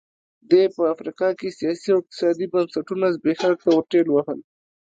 دې په افریقا کې سیاسي او اقتصادي بنسټونه زبېښاک ته ورټېل وهل.